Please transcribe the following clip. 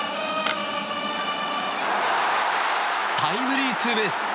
タイムリーツーベース。